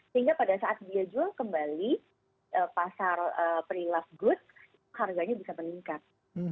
sehingga pada saat dia jual kembali pasar pre loved goods harganya bisa meningkat